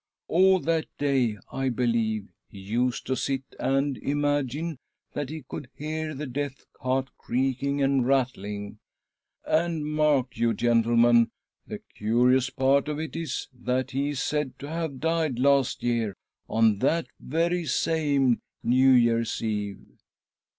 All that day, I believe, he used to sit and imagine that he could hear, the death cart creaking and rattling. And, mark you, gentlemen, the curious part of it is that he is said to have died last year on that very same New Year's Eve."